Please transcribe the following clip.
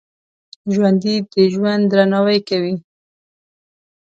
ژوندي د ژوند درناوی کوي